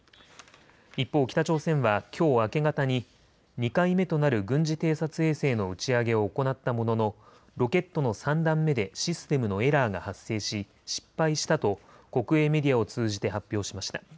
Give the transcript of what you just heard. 一方、北朝鮮はきょう明け方に２回目となる軍事偵察衛星の打ち上げを行ったもののロケットの３段目でシステムのエラーが発生し失敗したと国営メディアを通じて発表しました。